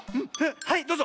はいどうぞ。